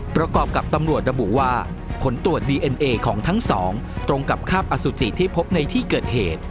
ประกอบกับตำรวจระบุว่าผลตรวจดีเอ็นเอของทั้งสองตรงกับคาบอสุจิที่พบในที่เกิดเหตุ